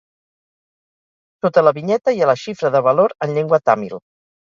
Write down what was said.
Sota la vinyeta hi ha la xifra de valor en llengua tàmil.